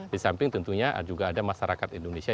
di samping tentunya juga ada masyarakat indonesia